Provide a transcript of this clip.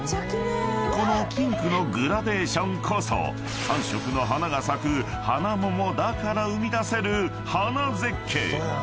［このピンクのグラデーションこそ３色の花が咲く花桃だから生み出せる花絶景］